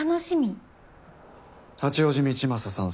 八王子道正さん